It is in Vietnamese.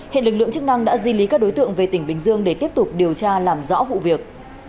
hiện lực lượng chức năng đã di lý các đối tượng về tỉnh bình dương để tiếp tục điều tra làm rõ vụ việc